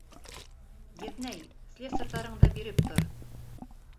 Еҙнәй, слесарҙарыңды биреп тор!